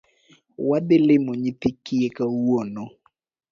Wadhi limo nyithi kiye kawuono